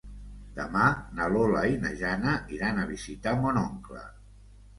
Demà na Lola i na Jana iran a visitar mon oncle.